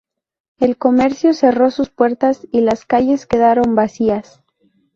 El comercio cerró sus puertas y las calles quedaron vacías.